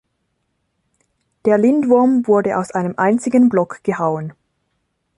Der Lindwurm wurde aus einem einzigen Block gehauen.